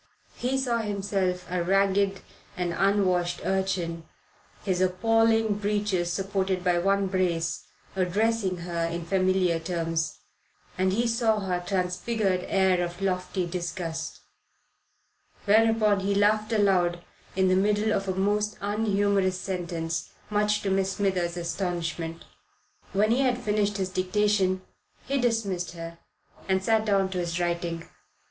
He saw himself a ragged and unwashed urchin, his appalling breeches supported by one brace, addressing her in familiar terms; and he saw her transfigured air of lofty disgust; whereupon he laughed aloud in the middle of a most unhumorous sentence, much to Miss Smithers' astonishment. When he had finished his dictation he dismissed her and sat down to his writing.